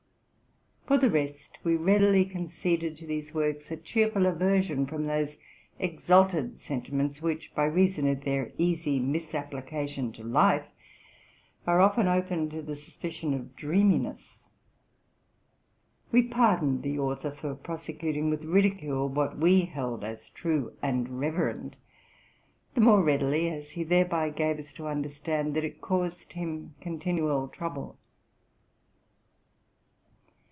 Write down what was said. For the rest, we readily conceded to these works a cheerful aversion from oe exalted senti ments, which, by reason of their easy misapplication to life, are often open to the suspicion of dreaminess. We pardoned the author for prosecuting with ridicule what we held as true and reverend, the more readily as he thereby gaye us to understand that it caused him continual trouble.